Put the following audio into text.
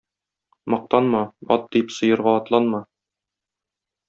Мактанма; ат дип сыерга атланма.